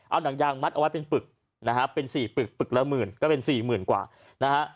เอาหนังยางมัดเอาไว้เป็นปึกนะฮะเป็นสี่ปึกปึกละหมื่นก็เป็นสี่หมื่นกว่านะฮะ